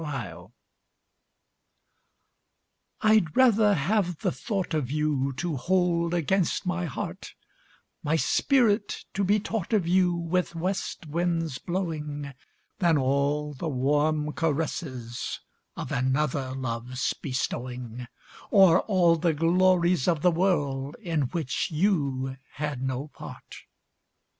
Choice I'D rather have the thought of youTo hold against my heart, My spirit to be taught of youWith west winds blowing, Than all the warm caressesOf another love's bestowing, Or all the glories of the worldIn which you had no part.